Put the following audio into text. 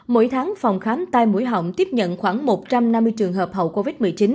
mỗi tháng phòng khám tai mũi họng tiếp nhận khoảng một trăm năm mươi trường hợp hậu covid một mươi chín